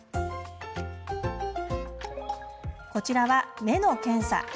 こちらは、目の検査。